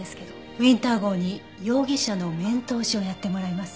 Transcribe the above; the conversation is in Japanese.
ウィンター号に容疑者の面通しをやってもらいます。